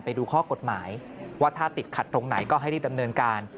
ไปดูข้อกฎหมายว่าถ้าติดขัดตรงไหนก็ให้รีบดำเนินการ